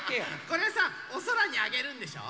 これをさおそらにあげるんでしょ？